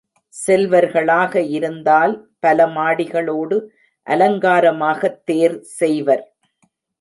செல்வர்களாக இருந்தால் பல மாடிகளோடு அலங்காரமாகத் தேர் செய்வர்.